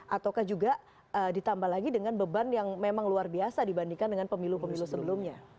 ataukah juga ditambah lagi dengan beban yang memang luar biasa dibandingkan dengan pemilu pemilu sebelumnya